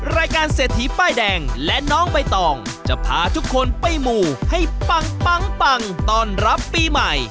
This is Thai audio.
รายการเศรษฐีป้ายแดงและน้องใบตองจะพาทุกคนไปหมู่ให้ปังปังต้อนรับปีใหม่